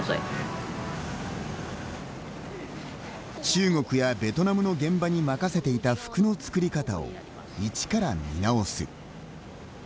中国やベトナムの現場に任せていた服の作り方を一から見直す。